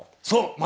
そう！